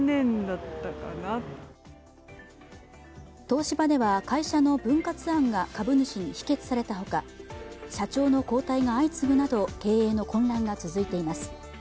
東芝では、会社の分割案が株主に否決されたほか、社長の交代が相次ぐなど経営の混乱が続いています。